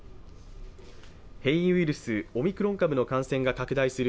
変異ウイルス、オミクロン株の感染が拡大する